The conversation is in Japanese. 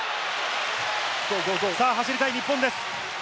走りたい日本です。